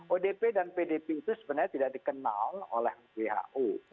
odp dan pdp itu sebenarnya tidak dikenal oleh who